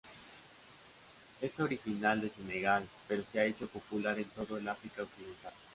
Es original de Senegal, pero se ha hecho popular en todo el África Occidental.